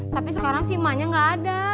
tapi sekarang sih emaknya gak ada